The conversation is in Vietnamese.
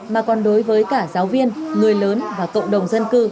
mà còn đối với cả giáo viên người lớn và cộng đồng dân cư